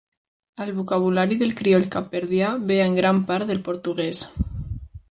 El vocabulari del crioll capverdià ve en gran part del portuguès.